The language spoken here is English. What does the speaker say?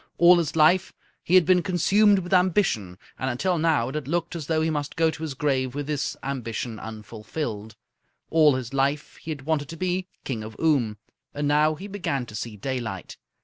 All his life he had been consumed with ambition, and until now it had looked as though he must go to his grave with this ambition unfulfilled. All his life he had wanted to be King of Oom, and now he began to see daylight.